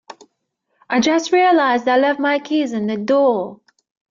I just realized I left my keys in the door!